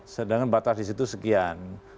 sedangkan batas di situ sekian